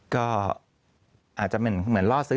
ก็อาจจะเหมือนล่อซื้อ